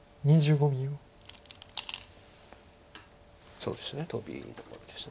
そうですねトビのところでした。